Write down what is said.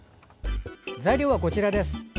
材料はこちらです。